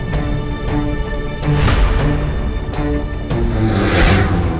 kamu bisa jadiin keras